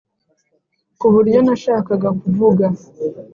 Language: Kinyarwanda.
ku buryo nashakaga kuvuga